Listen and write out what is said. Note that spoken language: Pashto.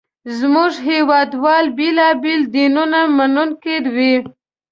زموږ هېواد وال بېلابېل دینونه منونکي وو.